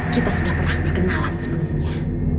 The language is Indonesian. kita sudah pernah berkenalan sebelumnya